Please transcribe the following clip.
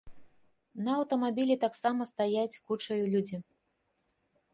На аўтамабілі таксама стаяць кучаю людзі.